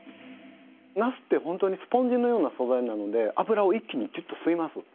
なすってホントにスポンジのような素材なので油を一気にギュッと吸います。